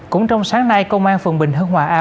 cũng trong sáng nay công an phường bình hưng hòa a